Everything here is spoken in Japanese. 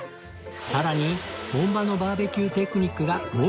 さらに本場のバーベキューテクニックがもう一つ